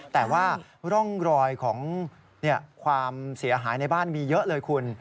แต่ว่าร่องรอยของความเสียหายในบ้านมีเยอะเลยคุณ